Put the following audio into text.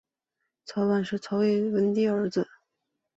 曹协是曹魏文帝儿子。